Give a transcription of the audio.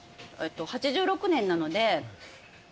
８６年なので。